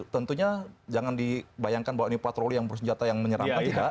tentunya jangan dibayangkan bahwa ini patroli yang bersenjata yang menyeramkan tidak